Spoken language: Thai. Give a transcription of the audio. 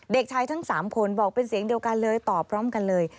เด็กชายทั้ง๓คนบอกเป็นเสียงเดียวกันเลยตอบพร้อมกันเลย